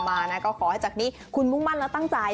มาก็ขอให้จากนี้คุณมุขมันตั้งใจ